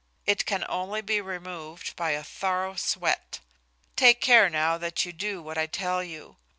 It can only be removed by a thorough sweat. Take care now that you do what I tell you.